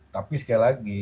tapi sekali lagi